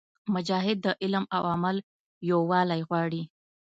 مجاهد د علم او عمل یووالی غواړي.